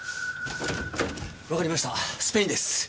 わかりましたスペインです。